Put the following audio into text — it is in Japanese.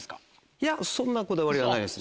いやそんなこだわりはないです。